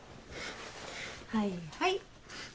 「はいはい」